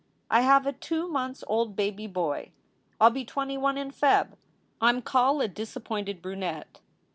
I have a 2 months Old baby boy. I ll be 21 in Feb. Im call a disapointed brunette.